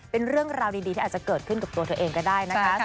เป็นเรื่องราวดีที่อาจจะเกิดขึ้นกับตัวเธอเองก็ได้นะคะ